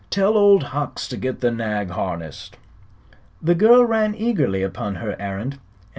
Tell Old Hucks to get the nag harnessed." The girl ran eagerly upon her errand.